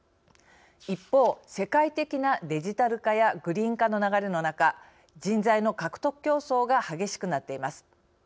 一方、世界的なデジタル化やグリーン化の流れの中人材の獲得競争が激しくなっています。